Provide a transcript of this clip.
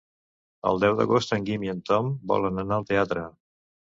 El deu d'agost en Guim i en Tom volen anar al teatre.